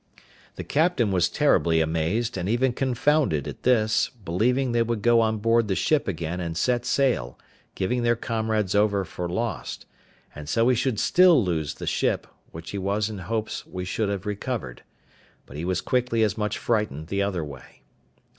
The captain was terribly amazed, and even confounded, at this, believing they would go on board the ship again and set sail, giving their comrades over for lost, and so he should still lose the ship, which he was in hopes we should have recovered; but he was quickly as much frightened the other way.